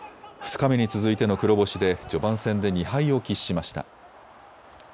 ２日目に続いての黒星で序盤戦で２敗を喫しました。